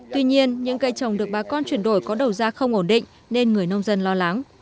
tuy nhiên những cây trồng được bà con chuyển đổi có đầu ra không ổn định nên người nông dân lo lắng